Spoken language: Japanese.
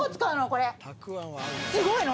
すごいの。